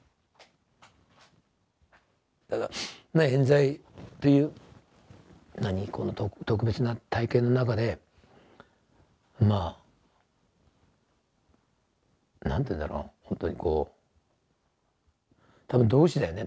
ただえん罪っていう特別な体験の中でまあ何ていうんだろうほんとにこう多分同士だよね。